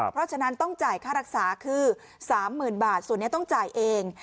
เพราะฉะนั้นต้องจ่ายค่ารักษาคือ๓๐๐๐บาทส่วนนี้ต้องจ่ายเอง